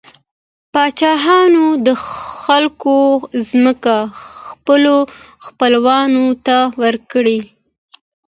پاچاهانو د خلکو ځمکې خپلو خپلوانو ته ورکړې.